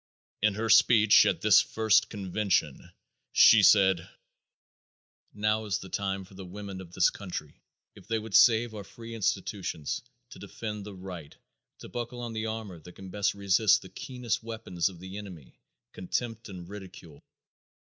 In her speech at this first convention she said: "Now is the time for the women of this country, if they would save our free institutions, to defend the right, to buckle on the armor that can best resist the keenest weapons of the enemy contempt and ridicule.